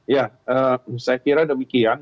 ya saya kira demikian